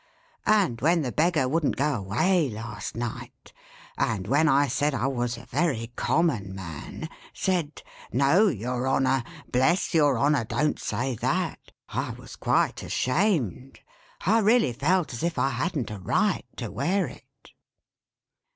And when the beggar wouldn't go away last night; and, when I said I was a very common man, said 'No, your Honor! Bless your Honor don't say that!' I was quite ashamed. I really felt as if I hadn't a right to wear it."